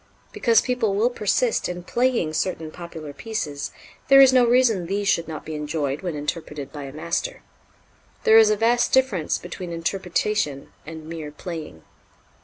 Because people will persist in "playing" certain popular pieces, there is no reason these should not be enjoyed when interpreted by a master. There is a vast difference between interpretation and mere "playing."